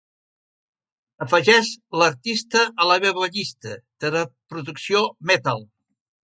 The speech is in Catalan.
Afegeix l'artista a la meva llista de reproducció Metal.